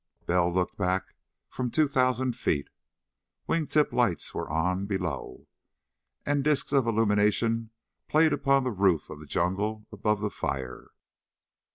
Bell looked back from two thousand feet. Wing tip lights were on, below, and disks of illumination played upon the roof of the jungle above the fire.